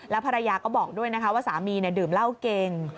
ภรรยาก็บอกด้วยนะคะว่าสามีดื่มเหล้าเก่ง